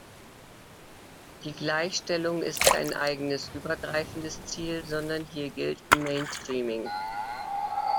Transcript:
Die Gleichstellung ist kein eigenes übergreifendes Ziel, sondern hier gilt Mainstreaming.